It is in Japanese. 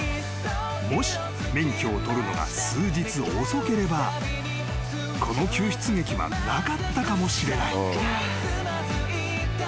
［もし免許を取るのが数日遅ければこの救出劇はなかったかもしれない］